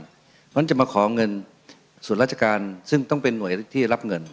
เพราะฉะนั้นจะมาขอเงินส่วนราชการซึ่งต้องเป็นหน่วยที่รับเงิน